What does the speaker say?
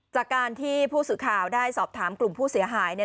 จากการที่ผู้สื่อข่าวได้สอบถามกลุ่มผู้เสียหายเนี่ย